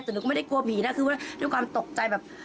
แต่หนูก็ไม่ได้กลัวผีนะคือว่าด้วยความตกใจแบบ